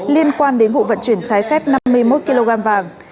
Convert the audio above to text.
liên quan đến vụ vận chuyển trái phép năm mươi một kg vàng